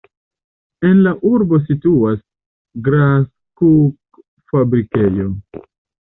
En la urbo situas graskuk-fabrikejo.